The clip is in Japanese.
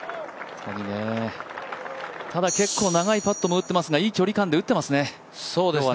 ただ結構長いパットも打っていますが結構いい距離感で打っていますね。